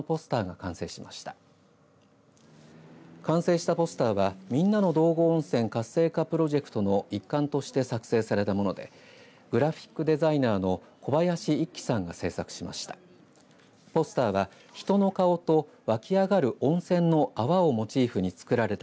完成したポスターはみんなの道後温泉活性化プロジェクトの一環として作成されたものでグラフィックデザイナーの小林一毅さんが制作しました。